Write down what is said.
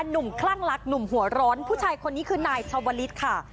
คลั่งรักหนุ่มหัวร้อนผู้ชายคนนี้คือนายชาวลิศค่ะ